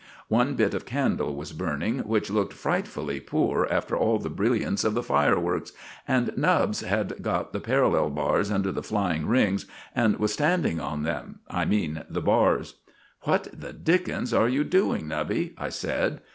One bit of candle was burning, which looked frightfully poor after all the brilliance of the fireworks, and Nubbs had got the parallel bars under the flying rings, and was standing on them I mean the bars. "What the Dickens are you doing, Nubby?" I said.